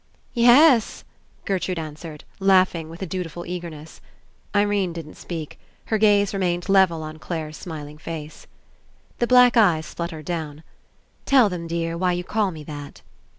'^ *'Yes," Gertrude answered, laughing with a dutiful eagerness. Irene didn't speak. Her gaze remained level on Clare's smiling face. The black eyes fluttered down. *'Tell them, dear, why you call me that."